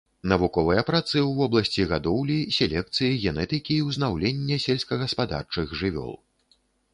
Навуковыя працы ў вобласці гадоўлі, селекцыі, генетыкі і ўзнаўлення сельскагаспадарчых жывёл.